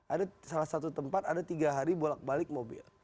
ada salah satu tempat ada tiga hari bolak balik mobil